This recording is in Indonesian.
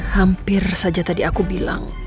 hampir saja tadi aku bilang